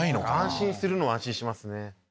安心するのは安心しますね。